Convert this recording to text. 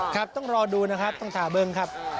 ครับต้องรอดูนะครับต้องทาเบิ้งครับ